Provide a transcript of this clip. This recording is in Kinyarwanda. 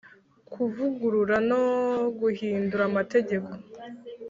Kuvugurura no guhindura Amategeko